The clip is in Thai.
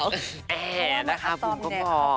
แอนะครับบุ้มก็บอก